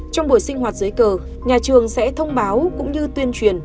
trong buổi sinh hoạt dưới cờ nhà trường sẽ thông báo cũng như tuyên truyền